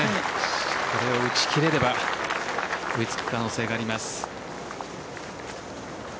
これを打ち切れれば追いつく可能性があります。